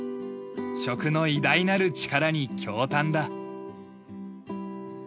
食の偉大なる力に驚嘆だ。